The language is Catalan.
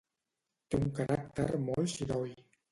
Té un caràcter molt xiroi.